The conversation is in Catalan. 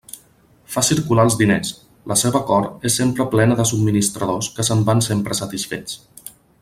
Fa circular els diners; la seua cort és sempre plena de subministradors que se'n van sempre satisfets.